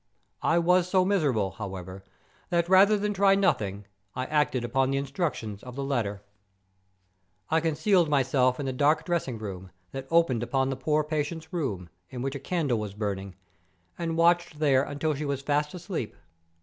I was so miserable, however, that, rather than try nothing, I acted upon the instructions of the letter. "I concealed myself in the dark dressing room, that opened upon the poor patient's room, in which a candle was burning, and watched there till she was fast asleep.